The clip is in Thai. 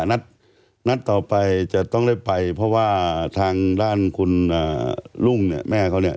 นัดต่อไปจะต้องได้ไปเพราะว่าทางด้านคุณรุ่งเนี่ยแม่เขาเนี่ย